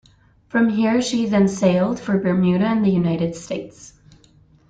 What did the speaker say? From here she then sailed for Bermuda and the United States.